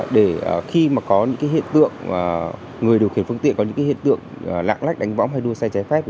để khi mà có những hiện tượng người điều khiển phương tiện có những hiện tượng lạng lách đánh võng hay đua xe trái phép